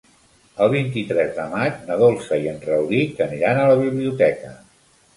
El vint-i-tres de maig na Dolça i en Rauric aniran a la biblioteca.